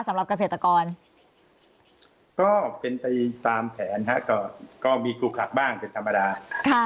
สำหรับเกษตรกรก็เป็นไปตามแผนฮะก็มีคลุกขลักบ้างเป็นธรรมดา